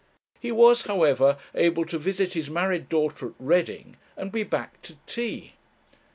He was, however, able to visit his married daughter at Reading, and be back to tea.